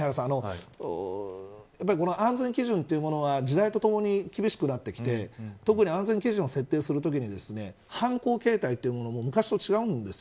やっぱり安全基準というものは時代とともに厳しくなってきて特に安全基準を設定するときに犯行形態も昔と違うんです。